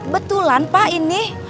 betulan pak ini